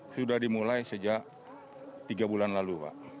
sudah dimulai sejak tiga bulan lalu pak